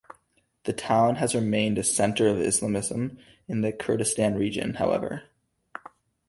The town has remained a center of Islamism in the Kurdistan region, however.